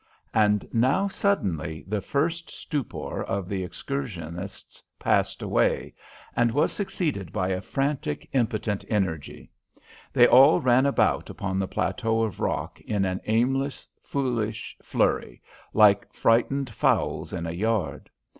And now suddenly the first stupor of the excursionists passed away, and was succeeded by a frantic and impotent energy. They all ran about upon the plateau of rock in an aimless, foolish flurry, like frightened fowls in a yard.